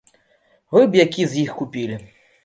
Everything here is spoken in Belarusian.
Вы б які з іх купілі?